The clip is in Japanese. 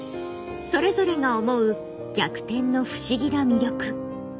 それぞれが思う「逆転」の不思議な魅力そのコタエは？